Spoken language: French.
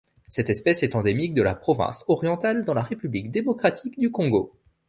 Cette espèce est endémique de la province orientale dans la République démocratique du Congo.